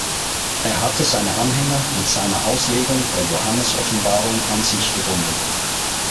Er hatte seine Anhänger mit seiner Auslegung der Johannesoffenbarung an sich gebunden.